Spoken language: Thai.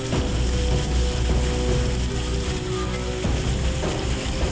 กลับสู่เมืองล่างครูซ่วนใคร